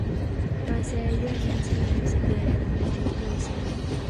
Pese a ello, Alianza Lima se quedaría con el título de ese año.